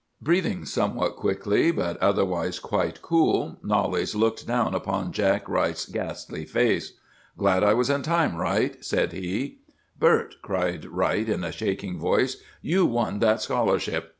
"Breathing somewhat quickly, but otherwise quite cool, Knollys looked down upon Jack Wright's gastly face. "'Glad I was in time, Wright!' said he. "'Bert,' cried Wright, in a shaking voice, 'you won that scholarship!